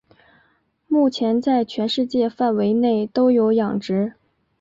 目前在全世界范围内都有养殖。